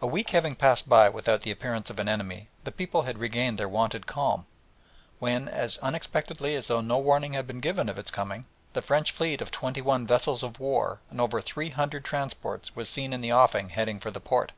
A week having passed by without the appearance of an enemy, the people had regained their wonted calm, when as unexpectedly as though no warning had been given of its coming the French fleet of twenty one vessels of war and over three hundred transports was seen in the offing heading for the port.